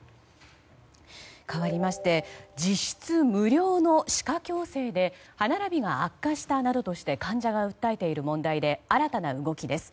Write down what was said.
かわりまして実質無料の歯科矯正で歯並びが悪化したなどとして患者が訴えている問題で新たな動きです。